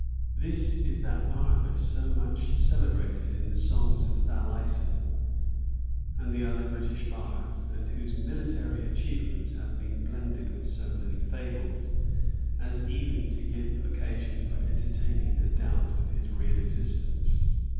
[*] This is that Arthur so much celebrated in the songs of Thaliessin, and the other British bards, and whose military achievements have been blended with so many fables, as even to give occasion for entertaining a doubt of his real existence.